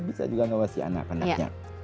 bisa juga ngawasi anak anaknya